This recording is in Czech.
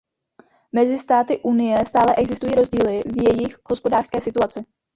Mezi státy Unie stále existují rozdíly v jejich hospodářské situaci.